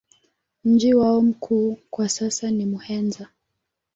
Mji wao mkuu kwa sasa ni Muheza.